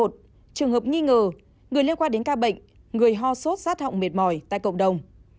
trường hợp nghi ngờ người liên quan đến ca bệnh người ho sốt z họng mệt mỏi tại cộng đồng